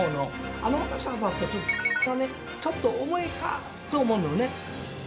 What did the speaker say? あの若さだとちょっと重いかとも思うのね。